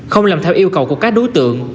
không làm theo yêu cầu của các đối tượng